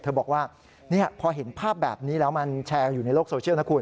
บอกว่าพอเห็นภาพแบบนี้แล้วมันแชร์อยู่ในโลกโซเชียลนะคุณ